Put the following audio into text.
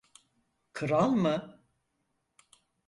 Kral mı?